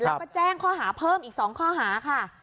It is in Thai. แล้วก็แจ้งข้อหาเพิ่มอีก๒ข้อหาค่ะ